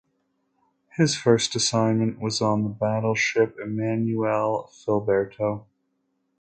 His first assignment was on the battleship "Emanuele Filiberto".